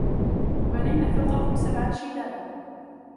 وَبَنَيْنَا فَوْقَكُمْ سَبْعًا شِدَادًا